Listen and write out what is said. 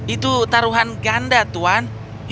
itu taruhan ganda tuan